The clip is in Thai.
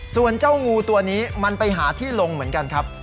ส่วนเจ้างูตัวนี้มันไปหาที่ลงเหมือนกันครับ